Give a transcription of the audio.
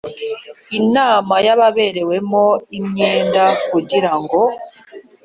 Inama y ababerewemo imyenda kugira ngo